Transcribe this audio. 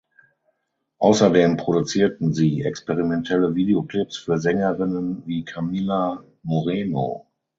Außerdem produzierten sie experimentelle Videoclips für Sängerinnen wie Camila Moreno.